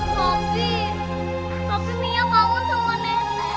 mopi mopi mia bangun sama nenek